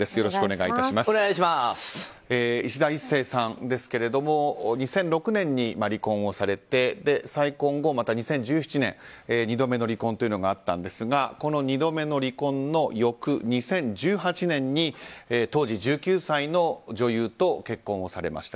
いしだ壱成さんですけども２００６年に離婚をされて再婚後、また２０１７年２度目の離婚というのがあったんですがこの２度目の離婚の翌２０１８年に当時１９歳の女優と結婚をされました。